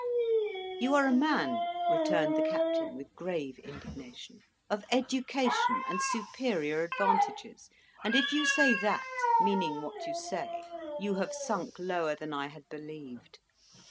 "You are a man," returned the Captain, with grave indignation, "of education and superior advantages; and if you say that, meaning what you say, you have sunk lower than I had believed.